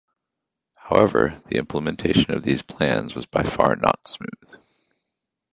However, the implementation of these plans was by far not smooth.